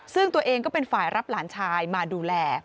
ซึ่งตัวเองก็เป็นฝ่ายรับหลานชายมาดูแล